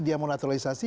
dia mau naturalisasi